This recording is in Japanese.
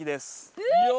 えっ！